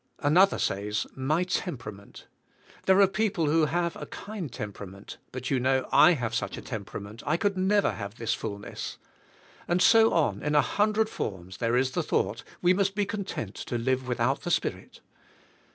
Another says. My temperament! There are peo ple who have a kind temperament; but, you know, I have such a temperament, I could never have this fulness. And so on, in a hundred forms, there is the thought, we must be content to live without the Spirit.